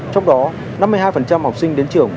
trong đó năm mươi hai học sinh đến trường